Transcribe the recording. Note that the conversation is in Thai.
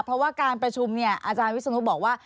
เพราะว่าการประชุมเนี่ยอาจารย์วิศนุบอกว่า